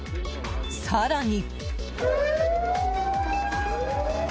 更に。